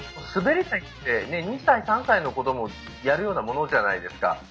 すべり台って２歳３歳の子どもがやるようなものじゃないですか。